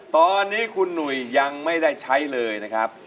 ตอนนี้คุณหนุ่ยยังไม่ได้ใช้เลยนะครับ